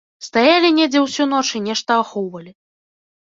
Стаялі недзе ўсю ноч і нешта ахоўвалі.